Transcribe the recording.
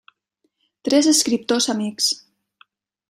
Tres escriptors amics.